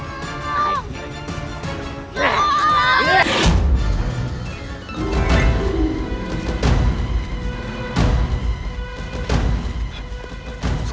tidak ada yang bisa mencari